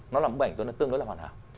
nó làm bức ảnh tôi tương đối là hoàn hảo